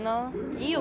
いいよ